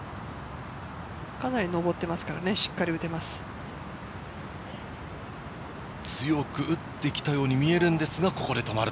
かなり上ってますからね、強く打ってきたように見えるんですが、ここで止まる。